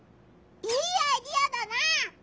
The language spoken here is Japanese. いいアイデアだな！